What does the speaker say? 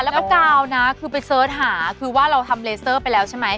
แล้วก็กาวนะคือไปเสิร์ชหาคือว่าเราทำเลเซอร์ไปแล้วใช่ไหม